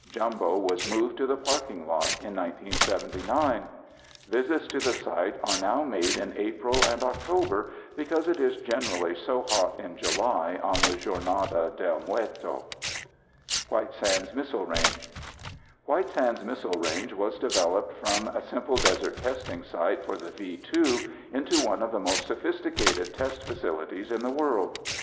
Jumbo was moved to the parking lot in 1979. Visits to the site are now made in April and October because it is generally so hot in July on the Jornada del Muerto. White Sands Missile Range White Sands Missile Range has developed from a simple desert testing site for the V 2 into one of the most sophisticated test facilities in the world.